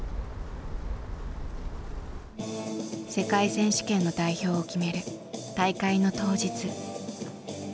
世界選手権の代表を決める大会の当日。